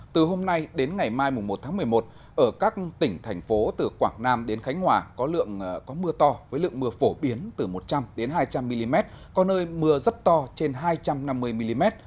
từ hôm nay đến ngày mai một tháng một mươi một ở các tỉnh thành phố từ quảng nam đến khánh hòa có mưa to với lượng mưa phổ biến từ một trăm linh hai trăm linh mm có nơi mưa rất to trên hai trăm năm mươi mm